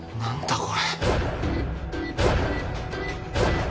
これ。